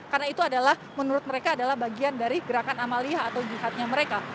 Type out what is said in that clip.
karena itu adalah menurut mereka adalah bagian dari gerakan amalia atau jihadnya mereka